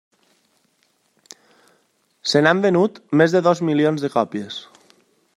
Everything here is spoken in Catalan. Se n'han venut més de dos milions de còpies.